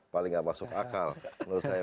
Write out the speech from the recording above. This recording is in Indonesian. paling nggak masuk akal menurut saya